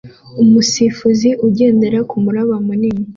Umusifuzi ugendera kumuraba munini